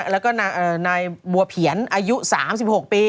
แล้วก็นายบัวเผียนอายุ๓๖ปี